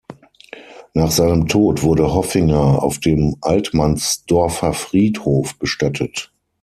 Nach seinem Tod wurde Hoffinger auf dem Altmannsdorfer Friedhof bestattet.